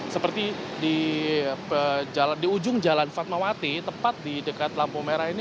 seperti di ujung jalan fatmawati tepat di dekat lampu merah ini